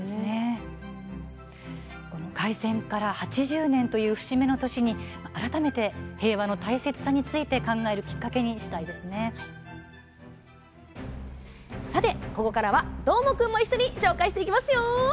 開戦から８０年という節目の年に改めて平和の大切さについてさあ、ここからはどーもくんも一緒に紹介していきますよ！